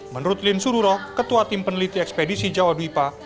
menurut lin sururo ketua tim peneliti ekspedisi jawa duwipa